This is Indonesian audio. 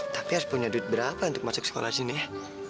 tapi harus punya duit berapa untuk masuk sekolah sini ya